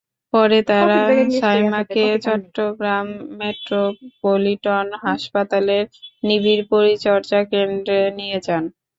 পরে তাঁরা সায়মাকে চট্টগ্রাম মেট্রোপলিটন হাসপাতালের নিবিড় পরিচর্যা কেন্দ্রে নিয়ে যান।